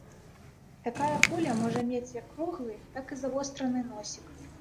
Такая куля можа мець як круглы, так і завостраны носік.